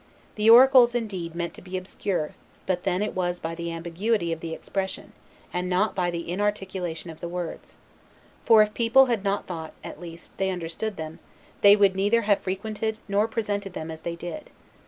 The Oracles indeed meant to be obscure; but then it was by the ambiguity of the expression, and not by the inarticulation of the words. For if people had not thought, at least, they understood them, they would neither have frequented nor presented them as they did.